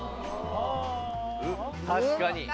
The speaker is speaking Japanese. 確かに。